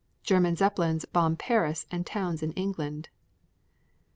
German Zeppelins bomb Paris and towns in England.